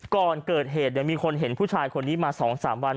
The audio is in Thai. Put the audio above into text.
ก่อนเกิดเหตุเนี้ยมีคนเห็นผู้ชายคนนี้มาสองสามวัน